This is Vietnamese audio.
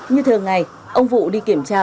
như thường ngày ông vũ đi kiểm tra